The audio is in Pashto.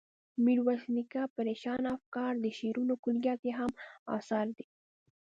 میرویس نیکه، پریشانه افکار، د شعرونو کلیات یې هم اثار دي.